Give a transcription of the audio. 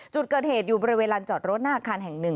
จุดเกิดเหตุอยู่บริเวณลานจอดรถหน้าอาคารแห่งหนึ่ง